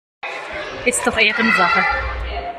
Ist doch Ehrensache!